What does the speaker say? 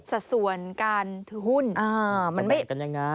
สัดส่วนการหุ้น